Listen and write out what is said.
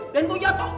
den boy jatuh